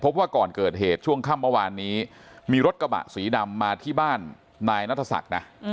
ว่าก่อนเกิดเหตุช่วงค่ำเมื่อวานนี้มีรถกระบะสีดำมาที่บ้านนายนัทศักดิ์นะ